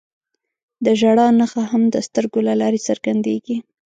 د ژړا نښه هم د سترګو له لارې څرګندېږي